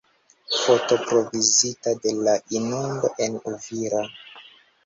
Foto provizita de La inundo en Uvira.